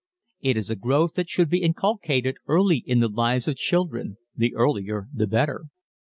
It is a growth that should be inculcated early in the lives of children the earlier the better.